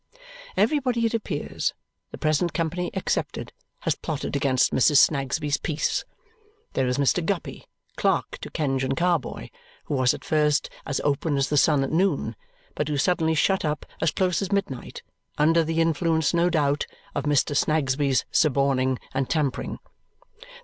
Everybody it appears, the present company excepted, has plotted against Mrs. Snagsby's peace. There is Mr. Guppy, clerk to Kenge and Carboy, who was at first as open as the sun at noon, but who suddenly shut up as close as midnight, under the influence no doubt of Mr. Snagsby's suborning and tampering.